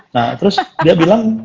nah terus dia bilang